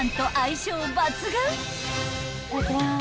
いただきます。